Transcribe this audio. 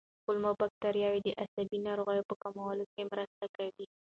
کولمو بکتریاوې د عصبي ناروغیو په کمولو کې مرسته کوي.